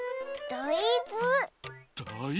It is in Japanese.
だいず。